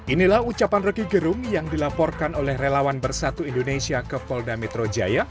inilah ucapan roky gerung yang dilaporkan oleh relawan bersatu indonesia ke polda metro jaya